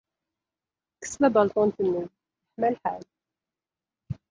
Kkes tabalṭunt-nni, yeḥma lḥal